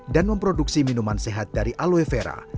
dan memproduksi minuman sehat dari aloe vera